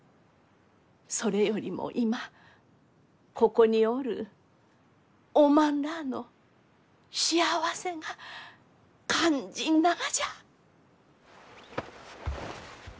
それよりも今ここにおるおまんらあの幸せが肝心ながじゃ。